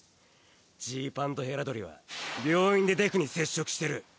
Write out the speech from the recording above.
ジーパンとヘラ鳥は病院でデクに接触してる。